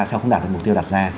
sẽ không đạt được mục tiêu đạt ra